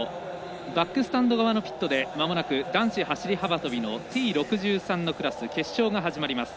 バックスタンド側のピットでまもなく男子走り幅跳びのＴ６３のクラス決勝が始まります。